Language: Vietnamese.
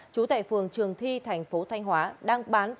chú tệ phường trường thi tp thanh hóa